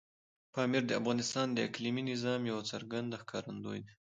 پامیر د افغانستان د اقلیمي نظام یو څرګند ښکارندوی دی.